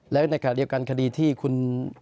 และในการเรียกกันคดีที่ครับคุณ